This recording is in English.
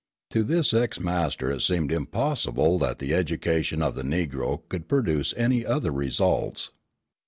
To this ex master it seemed impossible that the education of the Negro could produce any other results.